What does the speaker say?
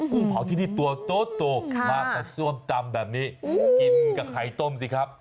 เผาที่นี่ตัวโตมากับซ่วมตำแบบนี้กินกับไข่ต้มสิครับ